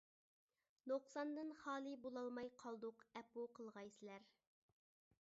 نۇقساندىن خالىي بولالماي قالدۇق ئەپۇ قىلغايسىلەر!